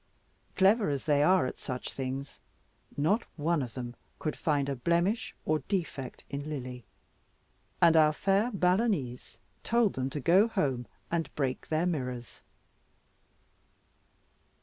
Clever as they are at such things, not one of them could find a blemish or defect in Lily, and our fair Balagnese told them to go home and break their mirrors.